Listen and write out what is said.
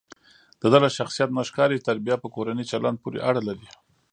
دده له شخصیت نه ښکاري چې تربیه په کورني چلند پورې اړه لري.